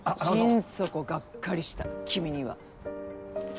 心底がっかりした君には。